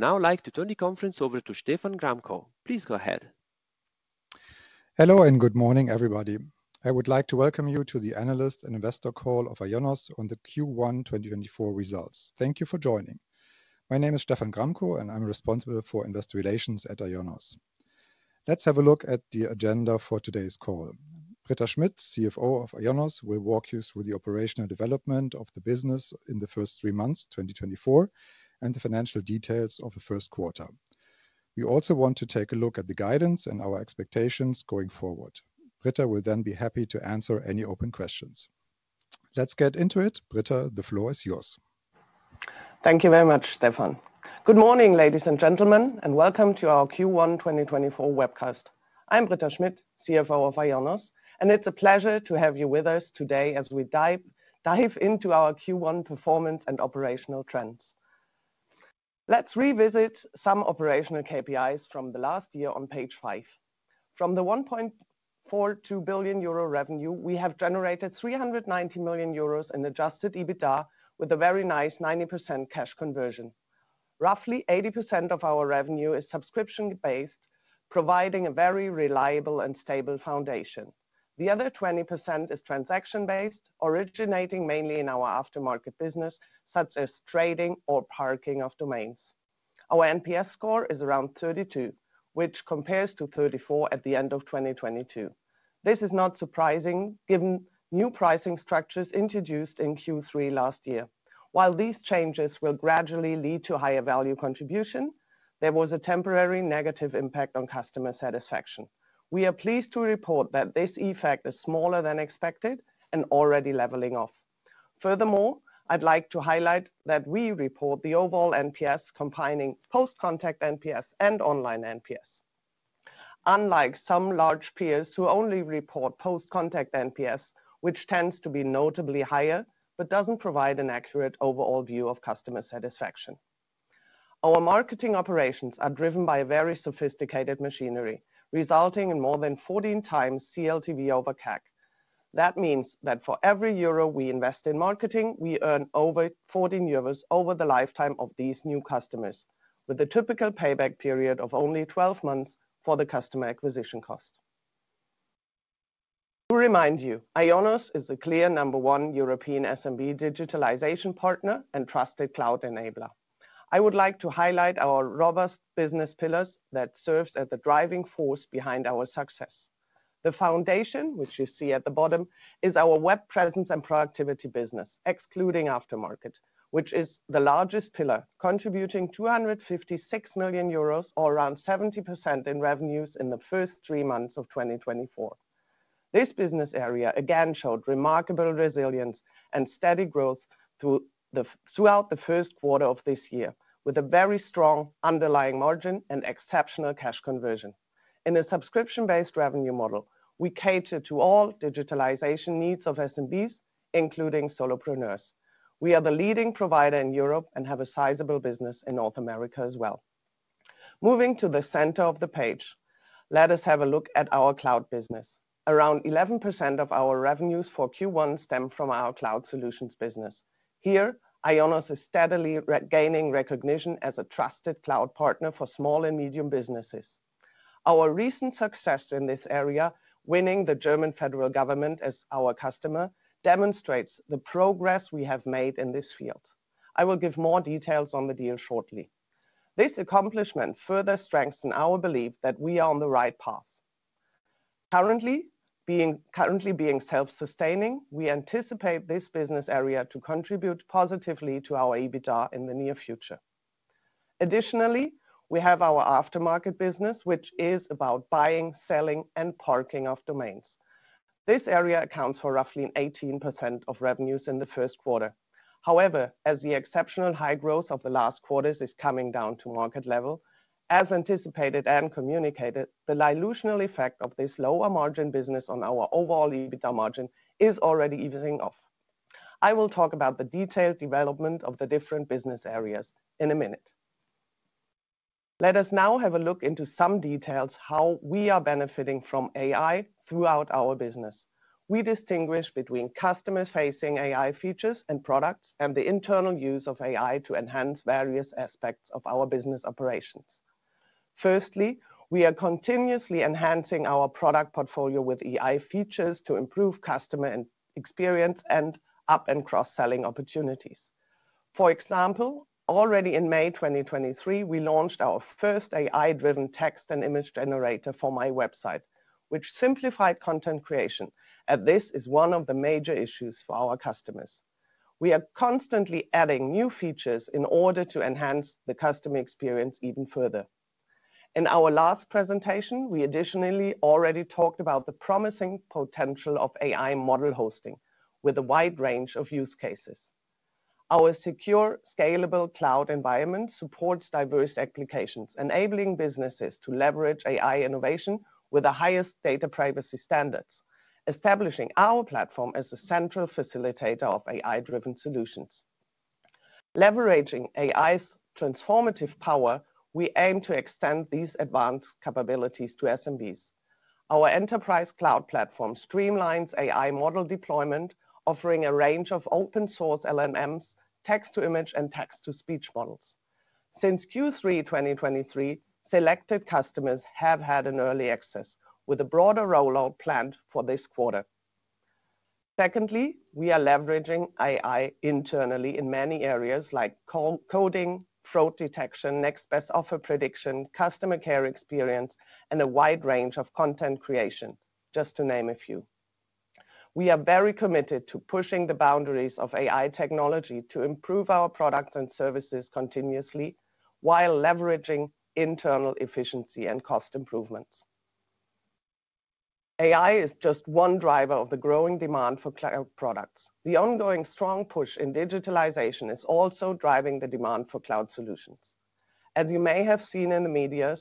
Would now like to turn the conference over to Stephan Gramkow. Please go ahead. Hello and good morning, everybody. I would like to welcome you to the Analyst and Investor Call of IONOS on the Q1 2024 Results. Thank you for joining. My name is Stephan Gramkow, and I'm responsible for Investor Relations at IONOS. Let's have a look at the agenda for today's call. Britta Schmidt, CFO of IONOS, will walk you through the operational development of the business in the first three months, 2024, and the financial details of the first quarter. We also want to take a look at the guidance and our expectations going forward. Britta will then be happy to answer any open questions. Let's get into it. Britta, the floor is yours. Thank you very much, Stephan. Good morning, ladies and gentlemen, and welcome to our Q1 2024 webcast. I'm Britta Schmidt, CFO of IONOS, and it's a pleasure to have you with us today as we dive into our Q1 performance and operational trends. Let's revisit some operational KPIs from the last year on page five. From the 1.42 billion euro revenue, we have generated 390 million euros in Adjusted EBITDA with a very nice 90% cash conversion. Roughly 80% of our revenue is subscription-based, providing a very reliable and stable foundation. The other 20% is transaction-based, originating mainly in our aftermarket business, such as trading or parking of domains. Our NPS score is around 32, which compares to 34 at the end of 2022. This is not surprising given new pricing structures introduced in Q3 last year. While these changes will gradually lead to higher value contribution, there was a temporary negative impact on customer satisfaction. We are pleased to report that this effect is smaller than expected and already leveling off. Furthermore, I'd like to highlight that we report the overall NPS combining post-contact NPS and online NPS, unlike some large peers who only report post-contact NPS, which tends to be notably higher but doesn't provide an accurate overall view of customer satisfaction. Our marketing operations are driven by a very sophisticated machinery, resulting in more than 14 times CLTV over CAC. That means that for every euro we invest in marketing, we earn over 14 euros over the lifetime of these new customers, with a typical payback period of only 12 months for the customer acquisition cost. To remind you, IONOS is a clear No. 1 European SMB digitalization partner and trusted cloud enabler. I would like to highlight our robust business pillars that serve as the driving force behind our success. The foundation, which you see at the bottom, is our web presence and productivity business, excluding aftermarket, which is the largest pillar, contributing 256 million euros or around 70% in revenues in the first three months of 2024. This business area again showed remarkable resilience and steady growth throughout the first quarter of this year, with a very strong underlying margin and exceptional cash conversion. In a subscription-based revenue model, we cater to all digitalization needs of SMBs, including solopreneurs. We are the leading provider in Europe and have a sizable business in North America as well. Moving to the center of the page, let us have a look at our cloud business. Around 11% of our revenues for Q1 stem from our cloud solutions business. Here, IONOS is steadily gaining recognition as a trusted cloud partner for small and medium businesses. Our recent success in this area, winning the German federal government as our customer, demonstrates the progress we have made in this field. I will give more details on the deal shortly. This accomplishment further strengthens our belief that we are on the right path. Currently being self-sustaining, we anticipate this business area to contribute positively to our EBITDA in the near future. Additionally, we have our aftermarket business, which is about buying, selling, and parking of domains. This area accounts for roughly 18% of revenues in the first quarter. However, as the exceptional high growth of the last quarters is coming down to market level, as anticipated and communicated, the dilutional effect of this lower margin business on our overall EBITDA margin is already easing off. I will talk about the detailed development of the different business areas in a minute. Let us now have a look into some details on how we are benefiting from AI throughout our business. We distinguish between customer-facing AI features and products and the internal use of AI to enhance various aspects of our business operations. Firstly, we are continuously enhancing our product portfolio with AI features to improve customer experience and up-and-cross-selling opportunities. For example, already in May 2023, we launched our first AI-driven text and image generator for MyWebsite, which simplified content creation, and this is one of the major issues for our customers. We are constantly adding new features in order to enhance the customer experience even further. In our last presentation, we additionally already talked about the promising potential of AI model hosting, with a wide range of use cases. Our secure, scalable cloud environment supports diverse applications, enabling businesses to leverage AI innovation with the highest data privacy standards, establishing our platform as a central facilitator of AI-driven solutions. Leveraging AI's transformative power, we aim to extend these advanced capabilities to SMBs. Our enterprise cloud platform streamlines AI model deployment, offering a range of open-source LLMs, text-to-image, and text-to-speech models. Since Q3 2023, selected customers have had early access, with a broader rollout planned for this quarter. Secondly, we are leveraging AI internally in many areas like coding, fraud detection, next best offer prediction, customer care experience, and a wide range of content creation, just to name a few. We are very committed to pushing the boundaries of AI technology to improve our products and services continuously while leveraging internal efficiency and cost improvements. AI is just one driver of the growing demand for cloud products. The ongoing strong push in digitalization is also driving the demand for cloud solutions. As you may have seen in the media,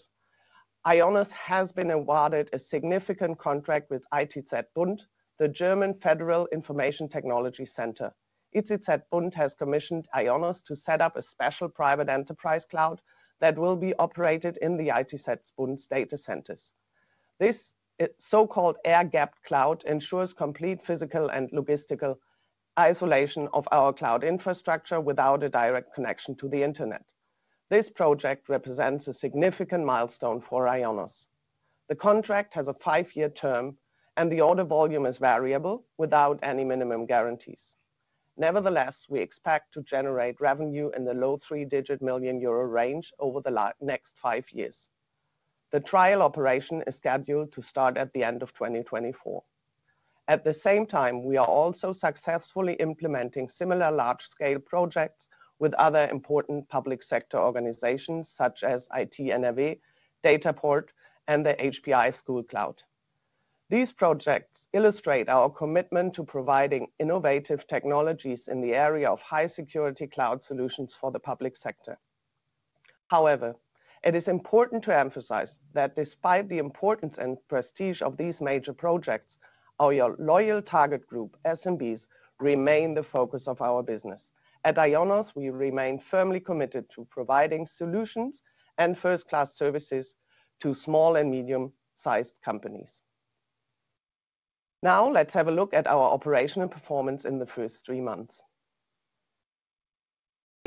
IONOS has been awarded a significant contract with ITZBund, the German Federal Information Technology Center. ITZBund has commissioned IONOS to set up a special private enterprise cloud that will be operated in the ITZBund data centers. This so-called air-gapped cloud ensures complete physical and logistical isolation of our cloud infrastructure without a direct connection to the internet. This project represents a significant milestone for IONOS. The contract has a five-year term, and the order volume is variable, without any minimum guarantees. Nevertheless, we expect to generate revenue in the low three-digit million EUR range over the next five years. The trial operation is scheduled to start at the end of 2024. At the same time, we are also successfully implementing similar large-scale projects with other important public-sector organizations, such as IT.NRW, Dataport, and the HPI Schul-Cloud. These projects illustrate our commitment to providing innovative technologies in the area of high-security cloud solutions for the public sector. However, it is important to emphasize that despite the importance and prestige of these major projects, our loyal target group, SMBs, remain the focus of our business. At IONOS, we remain firmly committed to providing solutions and first-class services to small and medium-sized companies. Now, let's have a look at our operational performance in the first three months.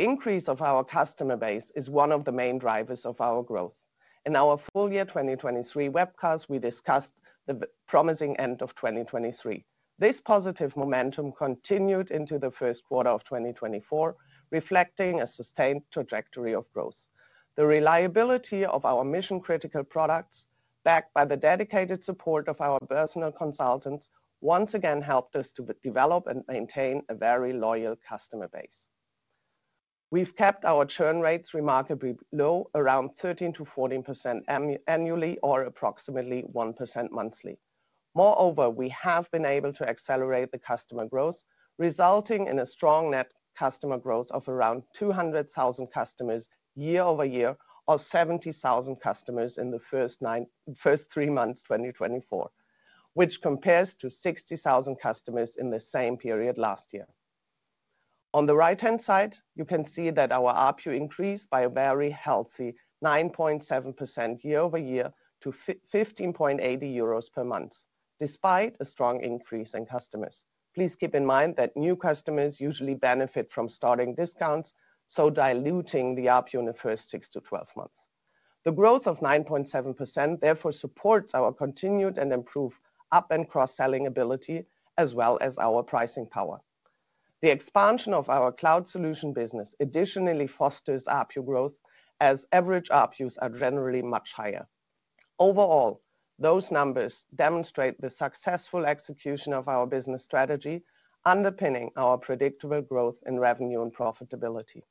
The increase of our customer base is one of the main drivers of our growth. In our full-year 2023 webcast, we discussed the promising end of 2023. This positive momentum continued into the first quarter of 2024, reflecting a sustained trajectory of growth. The reliability of our mission-critical products, backed by the dedicated support of our personal consultants, once again helped us to develop and maintain a very loyal customer base. We've kept our churn rates remarkably low, around 13%-14% annually or approximately 1% monthly. Moreover, we have been able to accelerate the customer growth, resulting in a strong net customer growth of around 200,000 customers year-over-year or 70,000 customers in the first three months of 2024, which compares to 60,000 customers in the same period last year. On the right-hand side, you can see that our ARPU increased by a very healthy 9.7% year-over-year to 15.80 euros per month, despite a strong increase in customers. Please keep in mind that new customers usually benefit from starting discounts, so diluting the ARPU in the first 6-12 months. The growth of 9.7%, therefore, supports our continued and improved up-and-cross-selling ability, as well as our pricing power. The expansion of our cloud solution business additionally fosters ARPU growth, as average ARPUs are generally much higher. Overall, those numbers demonstrate the successful execution of our business strategy, underpinning our predictable growth in revenue and profitability.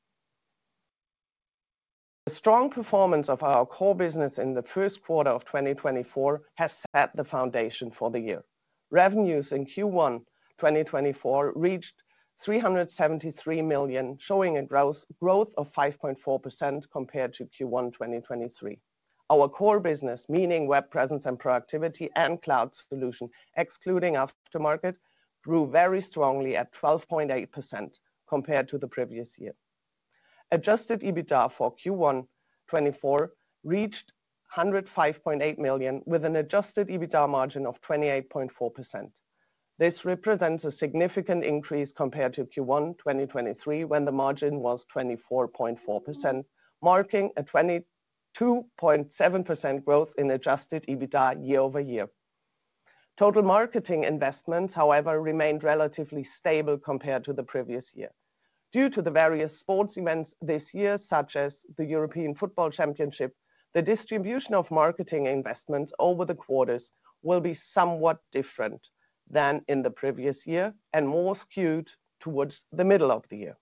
The strong performance of our core business in the first quarter of 2024 has set the foundation for the year. Revenues in Q1 2024 reached 373 million, showing a growth of 5.4% compared to Q1 2023. Our core business, meaning web presence and productivity and cloud solution, excluding aftermarket, grew very strongly at 12.8% compared to the previous year. Adjusted EBITDA for Q1 2024 reached 105.8 million, with an adjusted EBITDA margin of 28.4%. This represents a significant increase compared to Q1 2023, when the margin was 24.4%, marking a 22.7% growth in adjusted EBITDA year-over-year. Total marketing investments, however, remained relatively stable compared to the previous year. Due to the various sports events this year, such as the European Football Championship, the distribution of marketing investments over the quarters will be somewhat different than in the previous year and more skewed toward the middle of the year.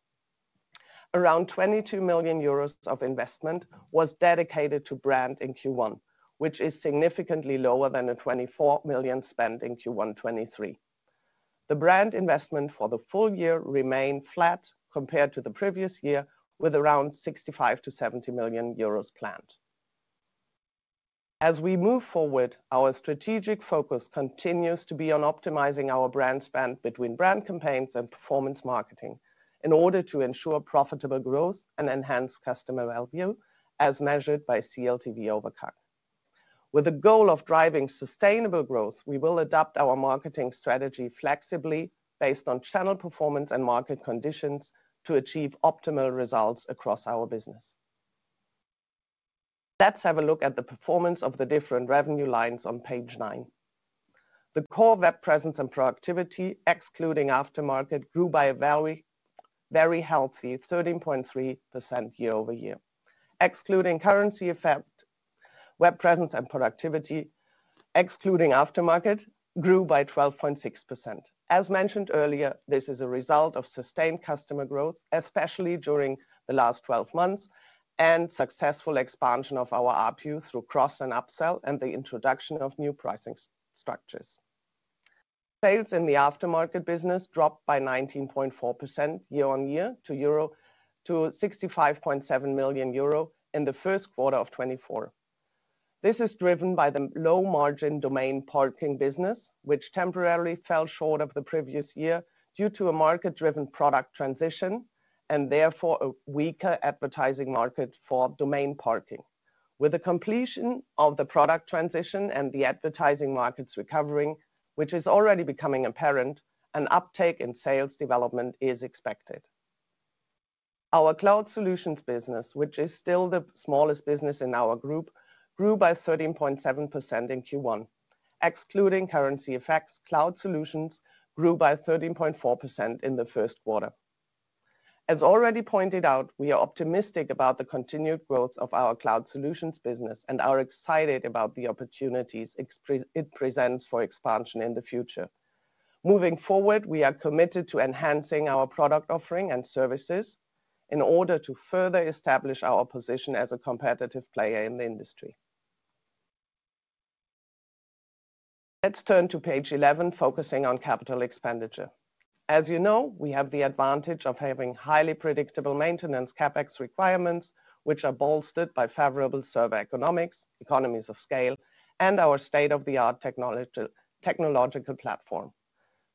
Around 22 million euros of investment was dedicated to brand in Q1, which is significantly lower than the 24 million spent in Q1 2023. The brand investment for the full year remained flat compared to the previous year, with around 65 million-70 million euros planned. As we move forward, our strategic focus continues to be on optimizing our brand spend between brand campaigns and performance marketing in order to ensure profitable growth and enhance customer value, as measured by CLTV over CAC. With the goal of driving sustainable growth, we will adapt our marketing strategy flexibly, based on channel performance and market conditions, to achieve optimal results across our business. Let's have a look at the performance of the diffrent revenue lines on page nine. The core web presence and productivity, excluding aftermarket, grew by a very healthy 13.3% year-over-year. Excluding currency effect, web presence and productivity, excluding aftermarket, grew by 12.6%. As mentioned earlier, this is a result of sustained customer growth, especially during the last 12 months, and successful expansion of our ARPU through cross and upsell and the introduction of new pricing structures. Sales in the aftermarket business dropped by 19.4% year-over-year to 65.7 million euro in the first quarter of 2024. This is driven by the low-margin domain parking business, which temporarily fell short of the previous year due to a market-driven product transition and, therefore, a weaker advertising market for domain parking. With the completion of the product transition and the advertising markets recovering, which is already becoming apparent, an uptake in sales development is expected. Our cloud solutions business, which is still the smallest business in our group, grew by 13.7% in Q1. Excluding currency effects, cloud solutions grew by 13.4% in the first quarter. As already pointed out, we are optimistic about the continued growth of our cloud solutions business and are excited about the opportunities it presents for expansion in the future. Moving forward, we are committed to enhancing our product offering and services in order to further establish our position as a competitive player in the industry. Let's turn to page 11, focusing on capital expenditure. As you know, we have the advantage of having highly predictable maintenance CapEx requirements, which are bolstered by favorable server economics, economies of scale, and our state-of-the-art technological platform.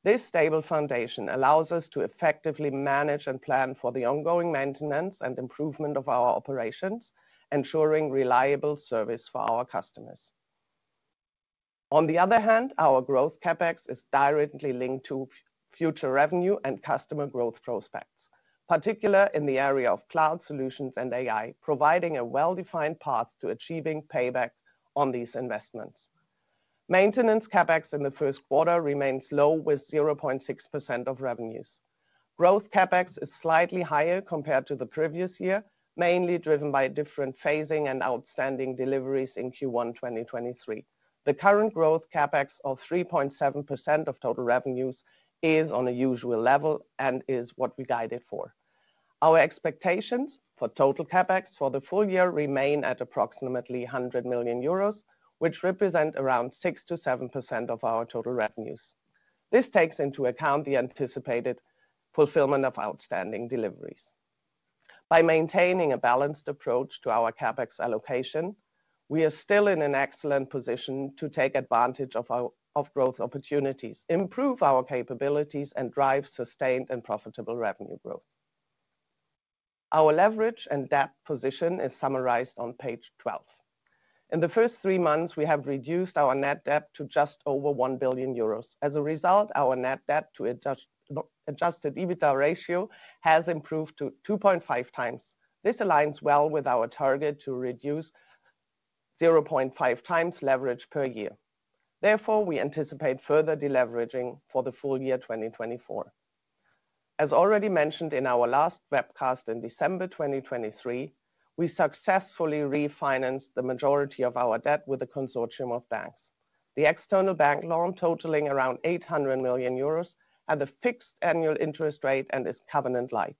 This stable foundation allows us to effectively manage and plan for the ongoing maintenance and improvement of our operations, ensuring reliable service for our customers. On the other hand, our growth CapEx is directly linked to future revenue and customer growth prospects, particularly in the area of cloud solutions and AI, providing a well-defined path to achieving payback on these investments. Maintenance CapEx in the first quarter remains low, with 0.6% of revenues. Growth CapEx is slightly higher compared to the previous year, mainly driven by different phasing and outstanding deliveries in Q1 2023. The current growth CapEx, of 3.7% of total revenues, is on a usual level and is what we guided for. Our expectations for total CapEx for the full year remain at approximately 100 million euros, which represents around 6%-7% of our total revenues. This takes into account the anticipated fulfillment of outstanding deliveries. By maintaining a balanced approach to our CapEx allocation, we are still in an excellent position to take advantage of growth opportunities, improve our capabilities, and drive sustained and profitable revenue growth. Our leverage and debt position is summarized on page 12. In the first three months, we have reduced our net debt to just over 1 billion euros. As a result, our net debt-to-adjusted EBITDA ratio has improved to 2.5x. This aligns well with our target to reduce 0.5x leverage per year. Therefore, we anticipate further deleveraging for the full year 2024. As already mentioned in our last webcast in December 2023, we successfully refinanced the majority of our debt with a consortium of banks. The external bank loan, totaling around 800 million euros, had a fixed annual interest rate and is covenant-like.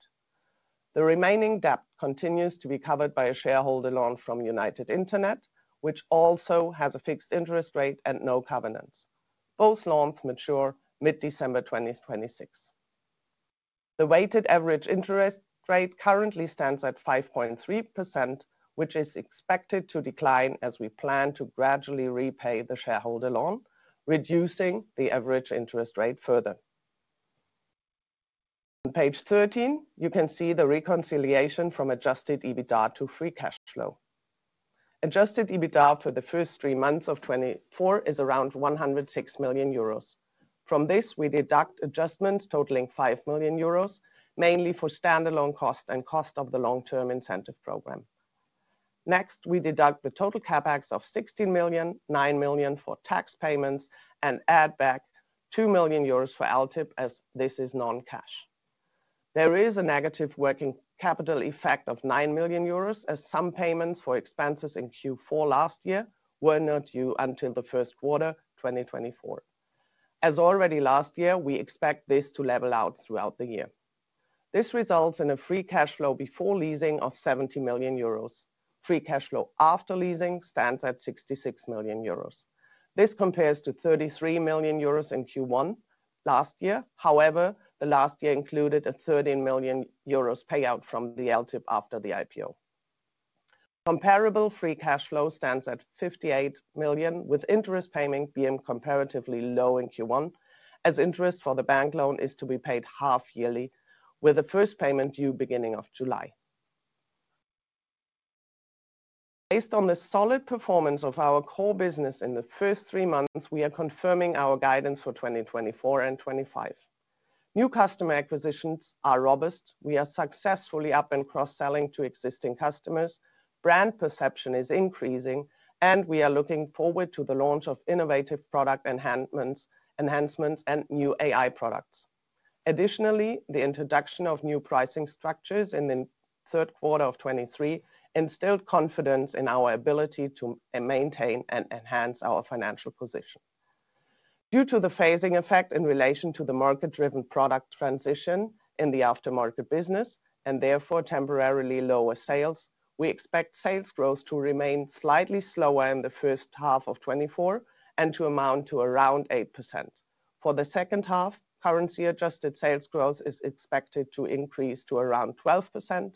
The remaining debt continues to be covered by a shareholder loan from United Internet, which also has a fixed interest rate and no covenants. Both loans mature mid-December 2026. The weighted average interest rate currently stands at 5.3%, which is expected to decline as we plan to gradually repay the shareholder loan, reducing the average interest rate further. On page 13, you can see the reconciliation from Adjusted EBITDA to free cash flow. Adjusted EBITDA for the first three months of 2024 is around 106 million euros. From this, we deduct adjustments totaling 5 million euros, mainly for standalone costs and cost of the long-term incentive program. Next, we deduct the total CapEx of 16 million, 9 million for tax payments, and add back 2 million euros for LTIP, as this is non-cash. There is a negative working capital effect of 9 million euros, as some payments for expenses in Q4 last year were not due until the first quarter of 2024. As already last year, we expect this to level out throughout the year. This results in a free cash flow before leasing of 70 million euros. Free cash flow after leasing stands at 66 million euros. This compares to 33 million euros in Q1 last year. However, the last year included a 13 million euros payout from the LTIP after the IPO. Comparable free cash flow stands at 58 million, with interest payment being comparatively low in Q1, as interest for the bank loan is to be paid half yearly, with the first payment due beginning of July. Based on the solid performance of our core business in the first three months, we are confirming our guidance for 2024 and 2025. New customer acquisitions are robust. We are successfully up-and-cross-selling to existing customers. Brand perception is increasing, and we are looking forward to the launch of innovative product enhancements and new AI products. Additionally, the introduction of new pricing structures in the third quarter of 2023 instilled confidence in our ability to maintain and enhance our financial position. Due to the phasing effect in relation to the market-driven product transition in the aftermarket business and, therefore, temporarily lower sales, we expect sales growth to remain slightly slower in the first half of 2024 and to amount to around 8%. For the second half, currency-adjusted sales growth is expected to increase to around 12%,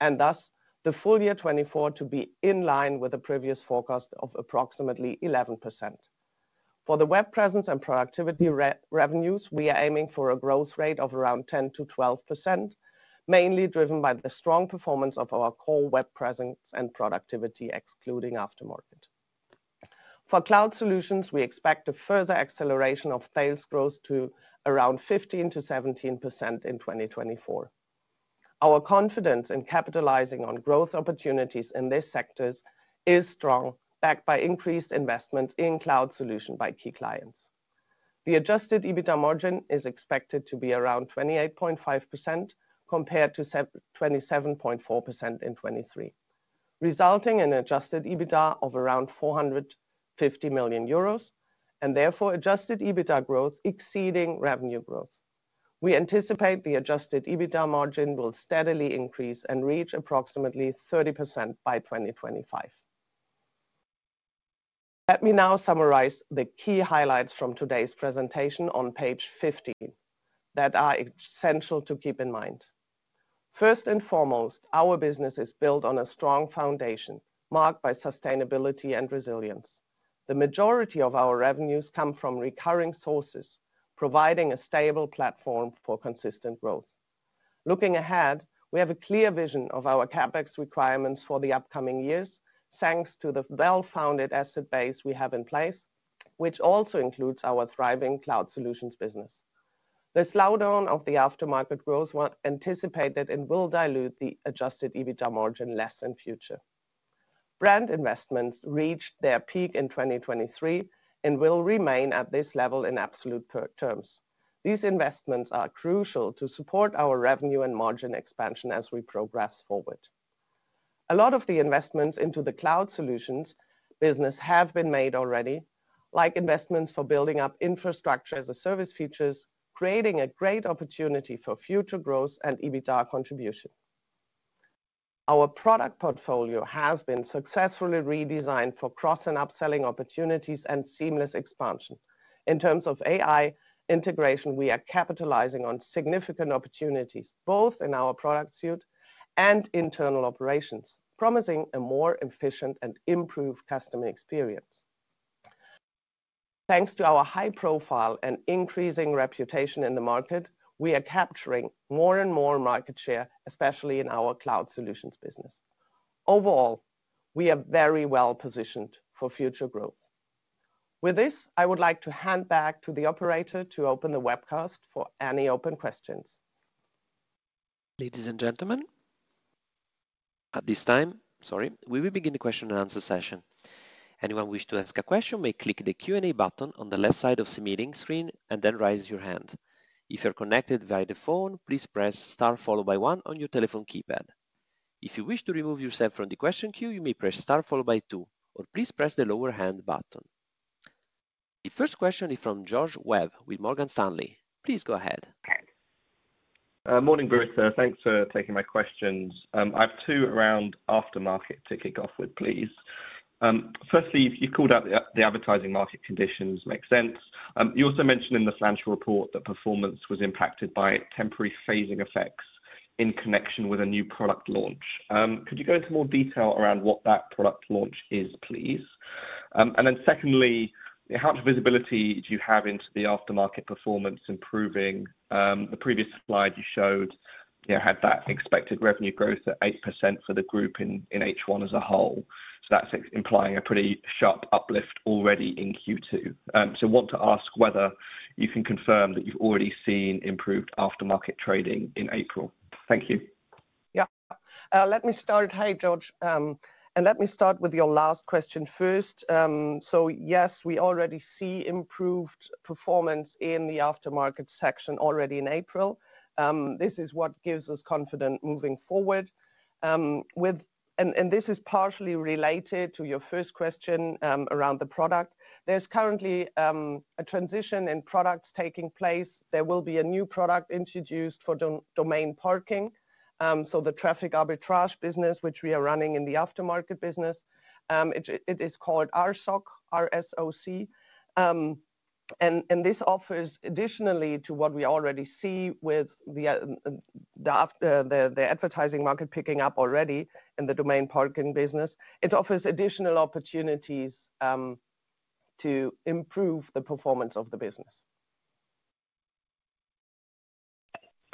and thus the full year 2024 to be in line with a previous forecast of approximately 11%. For the web presence and productivity revenues, we are aiming for a growth rate of around 10%-12%, mainly driven by the strong performance of our core web presence and productivity, excluding aftermarket. For cloud solutions, we expect a further acceleration of sales growth to around 15%-17% in 2024. Our confidence in capitalizing on growth opportunities in these sectors is strong, backed by increased investments in cloud solutions by key clients. The adjusted EBITDA margin is expected to be around 28.5% compared to 27.4% in 2023, resulting in an adjusted EBITDA of around 450 million euros and, therefore, adjusted EBITDA growth exceeding revenue growth. We anticipate the adjusted EBITDA margin will steadily increase and reach approximately 30% by 2025. Let me now summarize the key highlights from today's presentation on page 15 that are essential to keep in mind. First and foremost, our business is built on a strong foundation marked by sustainability and resilience. The majority of our revenues come from recurring sources, providing a stable platform for consistent growth. Looking ahead, we have a clear vision of our CapEx requirements for the upcoming years, thanks to the well-founded asset base we have in place, which also includes our thriving cloud solutions business. The slowdown of the Aftermarket growth is anticipated and will dilute the Adjusted EBITDA margin less in the future. Brand investments reached their peak in 2023 and will remain at this level in absolute terms. These investments are crucial to support our revenue and margin expansion as we progress forward. A lot of the investments into the cloud solutions business have been made already, like investments for building up Infrastructure as a Service features, creating a great opportunity for future growth and EBITDA contribution. Our product portfolio has been successfully redesigned for cross and upselling opportunities and seamless expansion. In terms of AI integration, we are capitalizing on significant opportunities, both in our product suite and internal operations, promising a more efficient and improved customer experience. Thanks to our high profile and increasing reputation in the market, we are capturing more and more market share, especially in our cloud solutions business. Overall, we are very well positioned for future growth. With this, I would like to hand back to the operator to open the webcast for any open questions. Ladies and gentlemen, at this time, sorry, we will begin the question-and-answer session. Anyone wishing to ask a question may click the Q&A button on the left side of the meeting screen and then raise your hand. If you are connected via the phone, please press * followed by one on your telephone keypad. If you wish to remove yourself from the question queue, you may press * followed by two, or please press the lower hand button. The first question is from George Webb with Morgan Stanley. Please go ahead. Morning, Britta. Thanks for taking my questions. I have two around aftermarket to kick off with, please. Firstly, you've called out the advertising market conditions make sense. You also mentioned in the financial report that performance was impacted by temporary phasing effects in connection with a new product launch. Could you go into more detail around what that product launch is, please? And then secondly, how much visibility do you have into the aftermarket performance improving? The previous slide you showed had that expected revenue growth at 8% for the group in H1 as a whole. So that's implying a pretty sharp uplift already in Q2. So I want to ask whether you can confirm that you've already seen improved aftermarket trading in April. Thank you. Yeah. Let me start. Hey, George. Let me start with your last question first. So yes, we already see improved performance in the Aftermarket section already in April. This is what gives us confidence moving forward. And this is partially related to your first question around the product. There's currently a transition in products taking place. There will be a new product introduced for domain parking, so the traffic arbitrage business, which we are running in the Aftermarket business. It is called RSOC. And this offers, additionally to what we already see with the advertising market picking up already in the domain parking business, it offers additional opportunities to improve the performance of the business.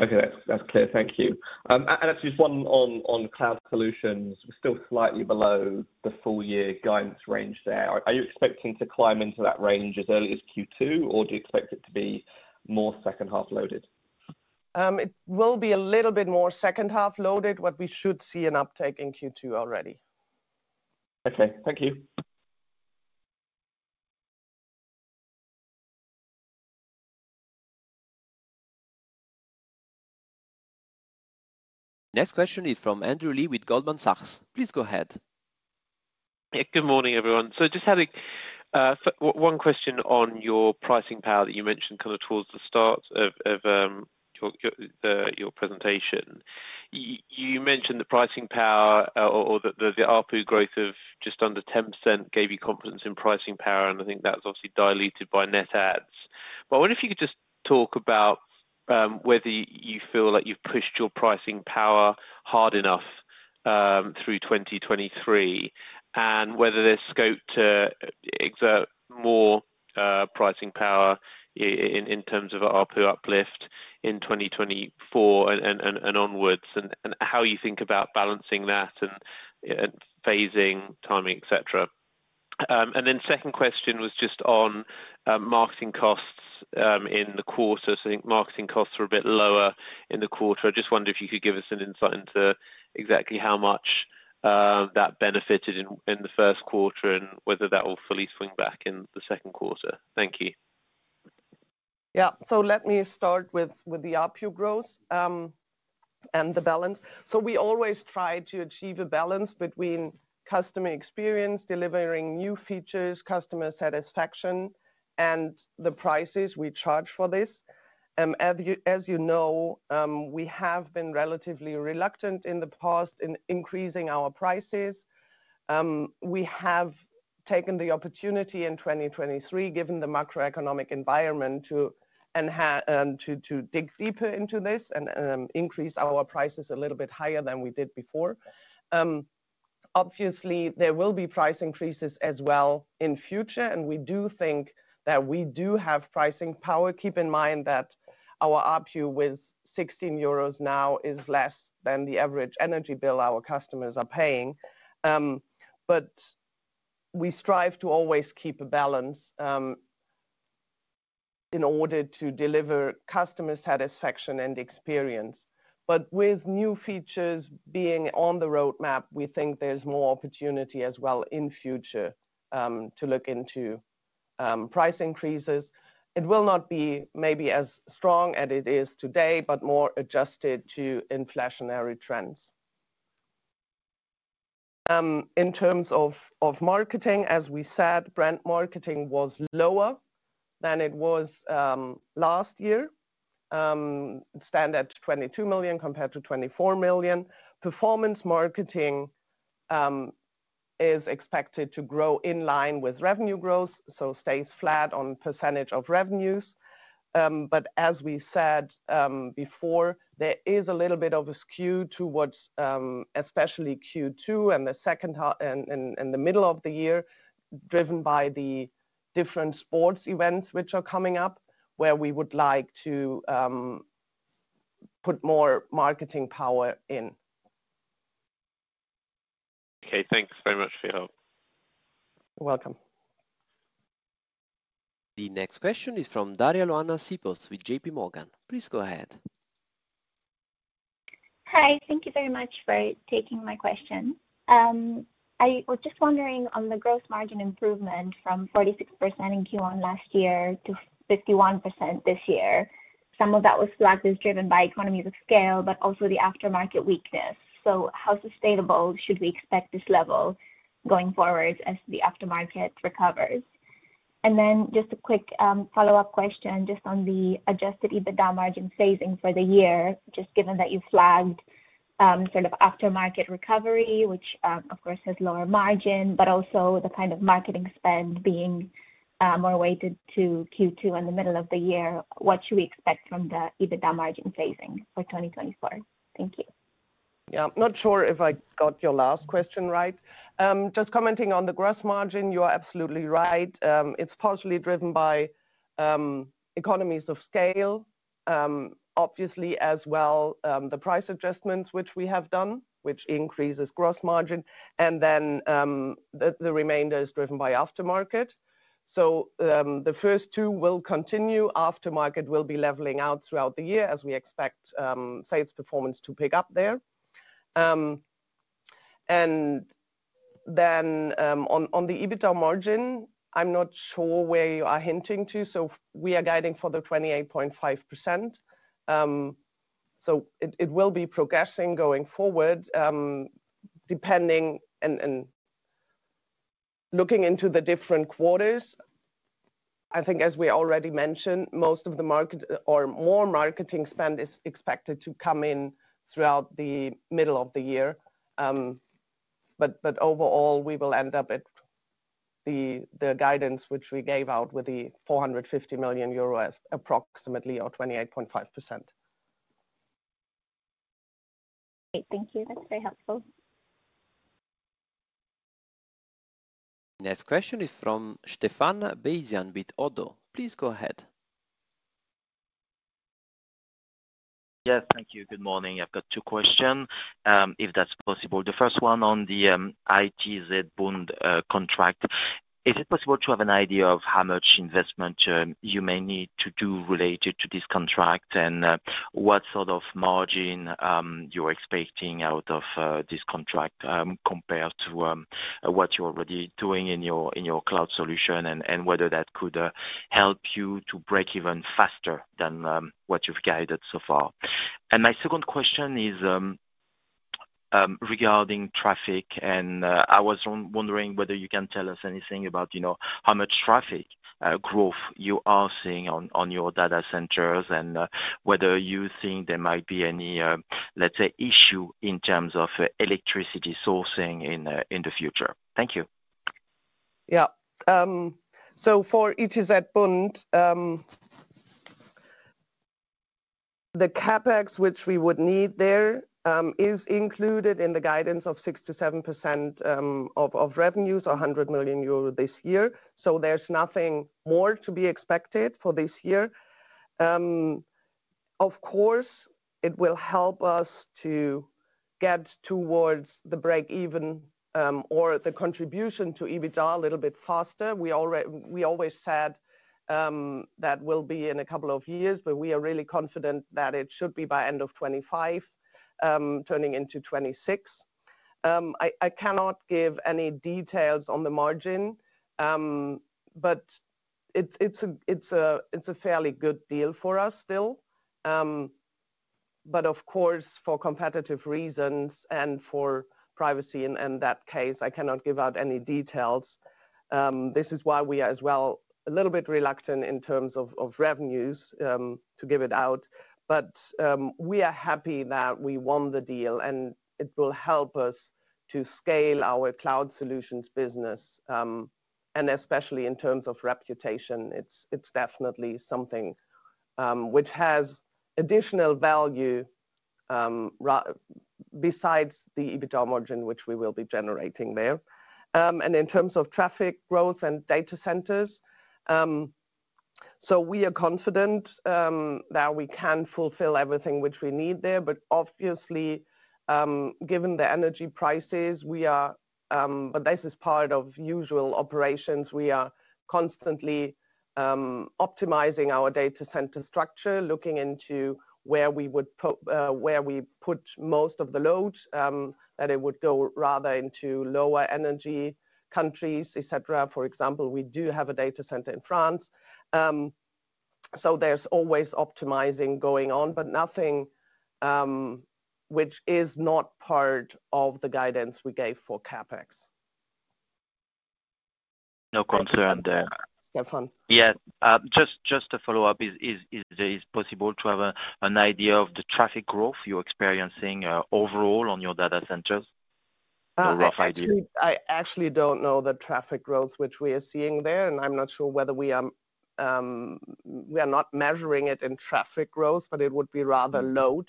Okay. That's clear. Thank you. And actually, just one on Cloud solutions, we're still slightly below the full-year guidance range there. Are you expecting to climb into that range as early as Q2, or do you expect it to be more second-half loaded? It will be a little bit more second-half loaded, but we should see an uptake in Q2 already. Okay. Thank you. Next question is from Andrew Lee with Goldman Sachs. Please go ahead. Good morning, everyone. So I just had one question on your pricing power that you mentioned kind of towards the start of your presentation. You mentioned the pricing power or the ARPU growth of just under 10% gave you confidence in pricing power, and I think that's obviously diluted by net ads. But I wonder if you could just talk about whether you feel like you've pushed your pricing power hard enough through 2023 and whether there's scope to exert more pricing power in terms of an ARPU uplift in 2024 and onwards, and how you think about balancing that and phasing, timing, etc. And then the second question was just on marketing costs in the quarter. So I think marketing costs were a bit lower in the quarter. I just wondered if you could give us an insight into exactly how much that benefited in the first quarter and whether that will fully swing back in the second quarter. Thank you. Yeah. So let me start with the ARPU growth and the balance. So we always try to achieve a balance between customer experience, delivering new features, customer satisfaction, and the prices we charge for this. As you know, we have been relatively reluctant in the past in increasing our prices. We have taken the opportunity in 2023, given the macroeconomic environment, to dig deeper into this and increase our prices a little bit higher than we did before. Obviously, there will be price increases as well in the future, and we do think that we do have pricing power. Keep in mind that our ARPU, with 16 euros now, is less than the average energy bill our customers are paying. But we strive to always keep a balance in order to deliver customer satisfaction and experience. But with new features being on the roadmap, we think there's more opportunity as well in the future to look into price increases. It will not be maybe as strong as it is today, but more adjusted to inflationary trends. In terms of marketing, as we said, brand marketing was lower than it was last year, stand at 22 million compared to 24 million. Performance marketing is expected to grow in line with revenue growth, so stays flat on percentage of revenues. But as we said before, there is a little bit of a skew towards, especially Q2 and the middle of the year, driven by the different sports events which are coming up, where we would like to put more marketing power in. Okay. Thanks very much for your help. You're welcome. The next question is from Daria-Ioana Sipos with JP Morgan. Please go ahead. Hi. Thank you very much for taking my question. I was just wondering on the gross margin improvement from 46% in Q1 last year to 51% this year. Some of that was flagged as driven by economies of scale, but also the aftermarket weakness. So how sustainable should we expect this level going forward as the aftermarket recovers? And then just a quick follow-up question just on the Adjusted EBITDA margin phasing for the year, just given that you flagged sort of Aftermarket recovery, which, of course, has lower margin, but also the kind of marketing spend being more weighted to Q2 in the middle of the year. What should we expect from the EBITDA margin phasing for 2024? Thank you. Yeah. I'm not sure if I got your last question right. Just commenting on the gross margin, you are absolutely right. It's partially driven by economies of scale, obviously, as well as the price adjustments which we have done, which increase gross margin. And then the remainder is driven by Aftermarket. So the first two will continue. Aftermarket will be leveling out throughout the year as we expect sales performance to pick up there. Then on the EBITDA margin, I'm not sure where you are hinting to. We are guiding for 28.5%. So it will be progressing going forward. And looking into the different quarters, I think, as we already mentioned, most of the market or more marketing spend is expected to come in throughout the middle of the year. But overall, we will end up at the guidance which we gave out with the 450 million euro approximately or 28.5%. Great. Thank you. That's very helpful. Next question is from Stéphane Beyazian with Oddo. Please go ahead. Yes. Thank you. Good morning. I've got two questions, if that's possible. The first one on the ITZBund contract. Is it possible to have an idea of how much investment you may need to do related to this contract and what sort of margin you're expecting out of this contract compared to what you're already doing in your cloud solution and whether that could help you to break even faster than what you've guided so far? And my second question is regarding traffic. And I was wondering whether you can tell us anything about how much traffic growth you are seeing on your data centers and whether you think there might be any, let's say, issue in terms of electricity sourcing in the future. Thank you. Yeah. So for ITZBund, the CapEx which we would need there is included in the guidance of 6%-7% of revenues, 100 million euro this year. So there's nothing more to be expected for this year. Of course, it will help us to get towards the break-even or the contribution to EBITDA a little bit faster. We always said that will be in a couple of years, but we are really confident that it should be by end of 2025, turning into 2026. I cannot give any details on the margin, but it's a fairly good deal for us still. But of course, for competitive reasons and for privacy in that case, I cannot give out any details. This is why we are as well a little bit reluctant in terms of revenues to give it out. But we are happy that we won the deal, and it will help us to scale our cloud solutions business. And especially in terms of reputation, it's definitely something which has additional value besides the EBITDA margin which we will be generating there. In terms of traffic growth and data centers, so we are confident that we can fulfill everything which we need there. But obviously, given the energy prices, we are but this is part of usual operations. We are constantly optimizing our data center structure, looking into where we would put most of the load, that it would go rather into lower-energy countries, etc. For example, we do have a data center in France. So there's always optimizing going on, but nothing which is not part of the guidance we gave for CapEx. No concern there. Stéphane? Yeah. Just to follow up, is it possible to have an idea of the traffic growth you're experiencing overall on your data centers? No rough idea. I actually don't know the traffic growth which we are seeing there, and I'm not sure whether we are not measuring it in traffic growth, but it would be rather load.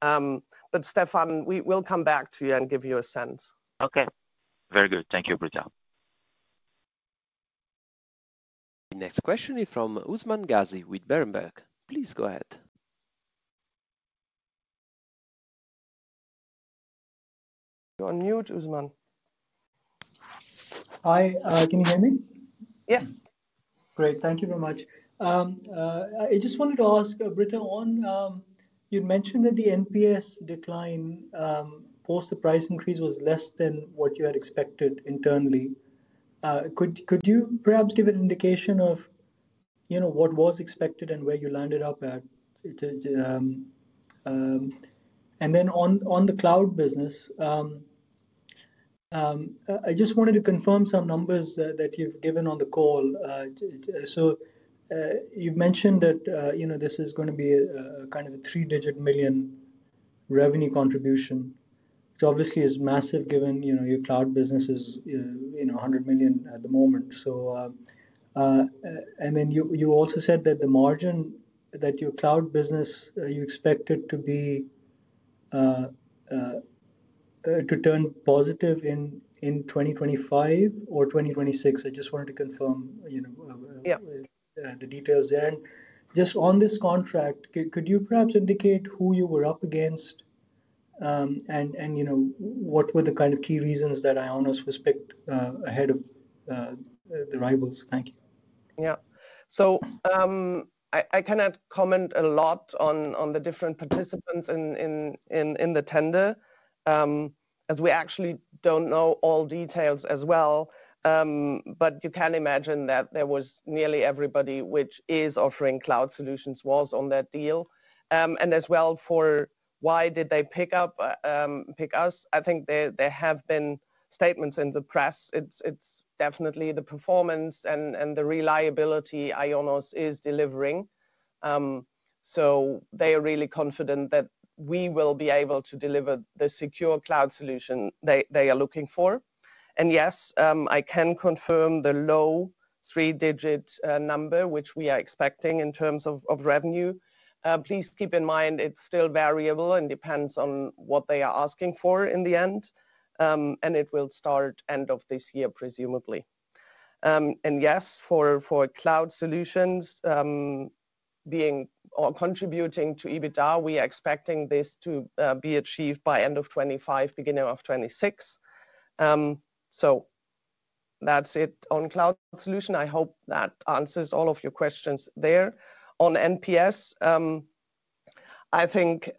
But Stephan, we'll come back to you and give you a sense. Okay. Very good. Thank you, Britta. The next question is from Usman Ghazi with Berenberg. Please go ahead. You're on mute, Usman. Hi. Can you hear me? Yes. Great. Thank you very much. I just wanted to ask, Britta, you'd mentioned that the NPS decline post the price increase was less than what you had expected internally. Could you perhaps give an indication of what was expected and where you landed up at? And then on the cloud business, I just wanted to confirm some numbers that you've given on the call. So you've mentioned that this is going to be kind of a three-digit million EUR revenue contribution, which obviously is massive given your cloud business is 100 million at the moment. And then you also said that the margin that your cloud business you expected to turn positive in 2025 or 2026. I just wanted to confirm the details there. And just on this contract, could you perhaps indicate who you were up against and what were the kind of key reasons that IONOS was picked ahead of the rivals? Thank you. Yeah. So I cannot comment a lot on the different participants in the tender as we actually don't know all details as well. But you can imagine that there was nearly everybody which is offering cloud solutions was on that deal. And as well for why did they pick us, I think there have been statements in the press. It's definitely the performance and the reliability IONOS is delivering. So they are really confident that we will be able to deliver the secure cloud solution they are looking for. Yes, I can confirm the low three-digit EUR number which we are expecting in terms of revenue. Please keep in mind it's still variable and depends on what they are asking for in the end. It will start end of this year, presumably. Yes, for cloud solutions being or contributing to EBITDA, we are expecting this to be achieved by end of 2025, beginning of 2026. So that's it on cloud solution. I hope that answers all of your questions there. On NPS, I think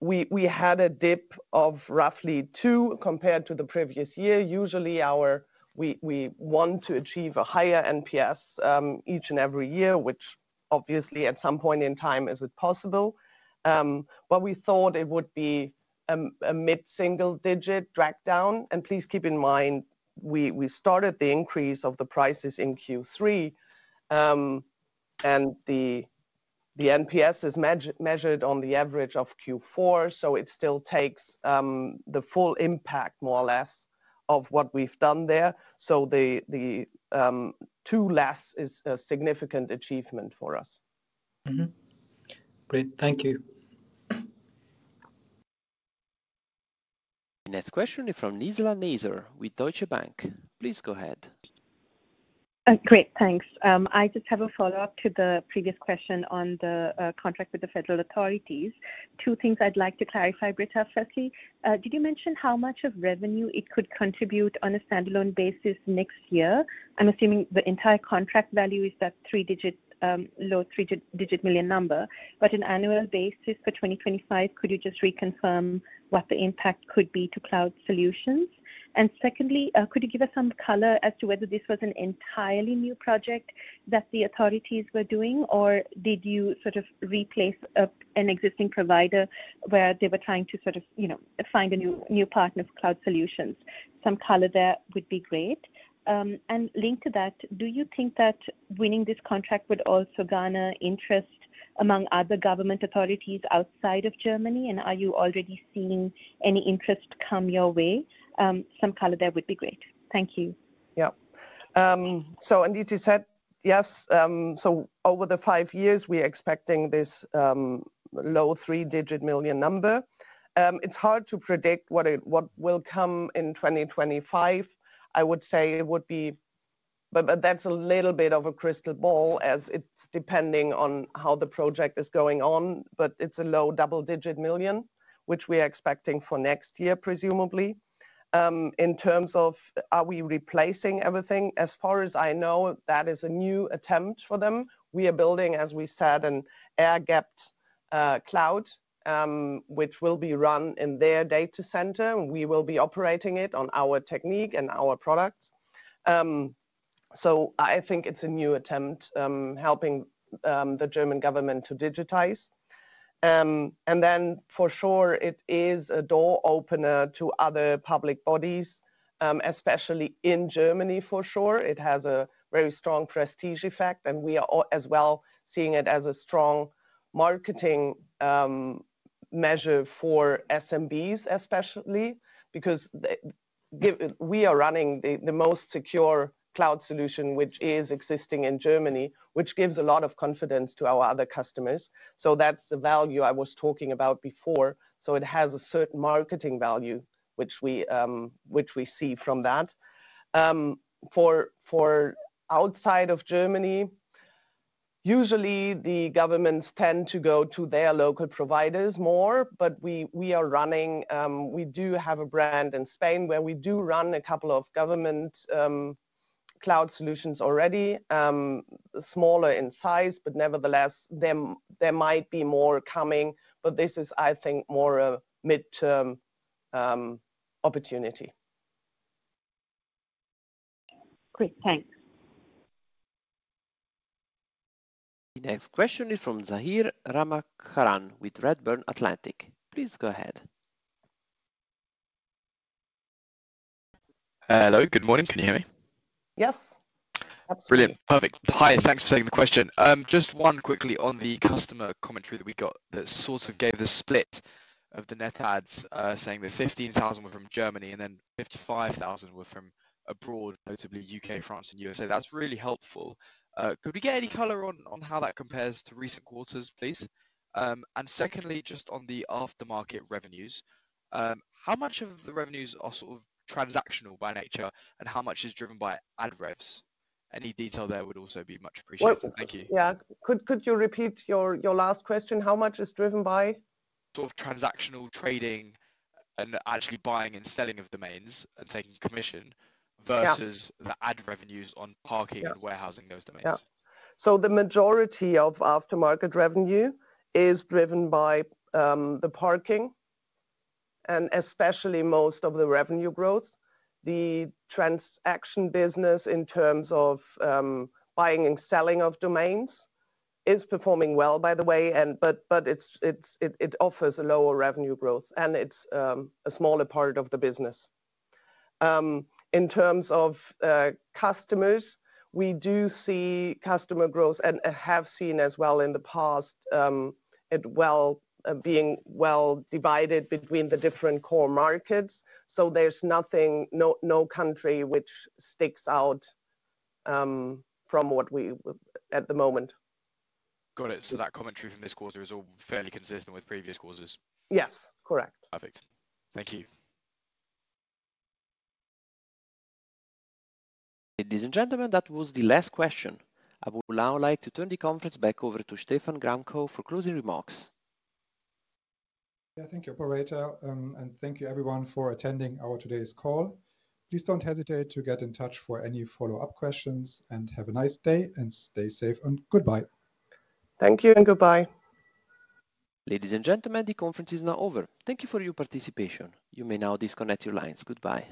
we had a dip of roughly two compared to the previous year. Usually, we want to achieve a higher NPS each and every year, which obviously, at some point in time, is it possible. But we thought it would be a mid-single-digit dragdown. And please keep in mind we started the increase of the prices in Q3, and the NPS is measured on the average of Q4. So it still takes the full impact, more or less, of what we've done there. So the two less is a significant achievement for us. Great. Thank you. The next question is from Nizla Naizer with Deutsche Bank. Please go ahead. Great. Thanks. I just have a follow-up to the previous question on the contract with the federal authorities. Two things I'd like to clarify, Britta. Firstly, did you mention how much of revenue it could contribute on a standalone basis next year? I'm assuming the entire contract value is that low three-digit million EUR number. But on an annual basis for 2025, could you just reconfirm what the impact could be to cloud solutions? And secondly, could you give us some color as to whether this was an entirely new project that the authorities were doing, or did you sort of replace an existing provider where they were trying to sort of find a new partner for cloud solutions? Some color there would be great. And linked to that, do you think that winning this contract would also garner interest among other government authorities outside of Germany? And are you already seeing any interest come your way? Some color there would be great. Thank you. Yeah. So as you said, yes. So over the five years, we are expecting this EUR low three-digit million number. It's hard to predict what will come in 2025. I would say it would be but that's a little bit of a crystal ball as it's depending on how the project is going on. But it's a low double-digit million EUR, which we are expecting for next year, presumably, in terms of are we replacing everything? As far as I know, that is a new attempt for them. We are building, as we said, an air-gapped cloud which will be run in their data center. We will be operating it on our technique and our products. So I think it's a new attempt helping the German government to digitize. And then for sure, it is a door opener to other public bodies, especially in Germany, for sure. It has a very strong prestige effect, and we are as well seeing it as a strong marketing measure for SMBs, especially because we are running the most secure cloud solution which is existing in Germany, which gives a lot of confidence to our other customers. So that's the value I was talking about before. So it has a certain marketing value which we see from that. Outside of Germany, usually, the governments tend to go to their local providers more. But we do have a brand in Spain where we do run a couple of government cloud solutions already, smaller in size. But nevertheless, there might be more coming. But this is, I think, more a mid-term opportunity. Great. Thanks. The next question is from Zahir Ramcharan with Redburn Atlantic. Please go ahead. Hello. Good morning. Can you hear me? Yes. Absolutely. Brilliant. Perfect. Hi. Thanks for taking the question. Just one quickly on the customer commentary that we got that sort of gave the split of the net adds, saying that 15,000 were from Germany and then 55,000 were from abroad, notably U.K., France, and USA. That's really helpful. Could we get any color on how that compares to recent quarters, please? And secondly, just on the aftermarket revenues, how much of the revenues are sort of transactional by nature, and how much is driven by ad revs? Any detail there would also be much appreciated. Thank you. Yeah. Could you repeat your last question? How much is driven by? Sort of transactional trading and actually buying and selling of domains and taking commission versus the ad revenues on parking and warehousing those domains. Yeah. So the majority of aftermarket revenue is driven by the parking and especially most of the revenue growth. The transaction business in terms of buying and selling of domains is performing well, by the way, but it offers a lower revenue growth, and it's a smaller part of the business. In terms of customers, we do see customer growth and have seen, as well in the past, it being well divided between the different core markets. So there's no country which sticks out from what we at the moment. Got it. So that commentary from this quarter is all fairly consistent with previous quarters? Yes. Correct. Perfect. Thank you. Ladies and gentlemen, that was the last question. I would now like to turn the conference back over to Stephan Gramkow for closing remarks. Yeah. Thank you, Operator. Thank you, everyone, for attending our today's call. Please don't hesitate to get in touch for any follow-up questions. Have a nice day and stay safe. Goodbye. Thank you. And goodbye. Ladies and gentlemen, the conference is now over. Thank you for your participation. You may now disconnect your lines. Goodbye.